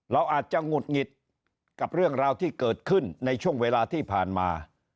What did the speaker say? เราอาจจะหงุดหงิดกับเรื่องราวที่เกิดขึ้นในช่วงเวลาที่ผ่านมา